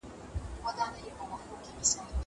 زه اوږده وخت سبزېجات تياروم وم.